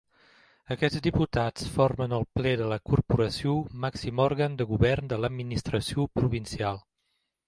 Aquests diputats formen el ple de la corporació, màxim òrgan de govern de l'administració provincial.